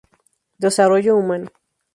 Desarrollo Humano.